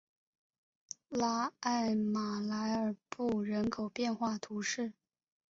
拉艾马莱尔布人口变化图示